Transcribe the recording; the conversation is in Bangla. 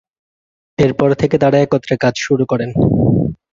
এরপর থেকে তারা একত্রে কাজ শুরু করেন।